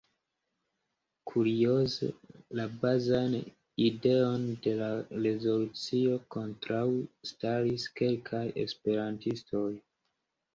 Kurioze, la bazajn ideojn de la rezolucio kontraŭstaris kelkaj esperantistoj.